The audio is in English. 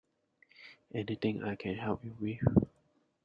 Anything I can help you with?